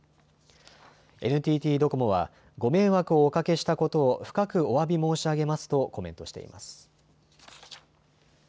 ＮＴＴドコモは、ご迷惑をおかけしたことを深くおわび申し上げますとコメントしています。